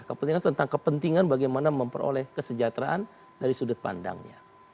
kepentingan tentang kepentingan bagaimana memperoleh kesejahteraan dari sudut pandangnya